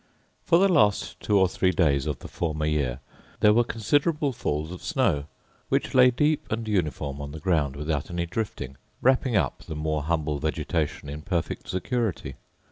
For the last two or three days of the former year there were considerable falls of snow, which lay deep and uniform on the ground without any drifting, wrapping up the more humble vegetation in perfect security.